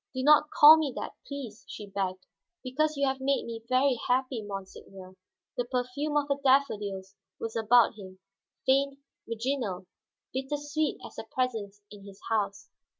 "Do not call me that, please," she begged. "Because you have made me very happy, monseigneur." The perfume of her daffodils was about him, faint, virginal, bitter sweet as her presence in his house.